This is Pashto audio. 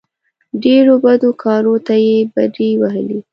ډېرو بدو کارو ته یې بډې وهلې.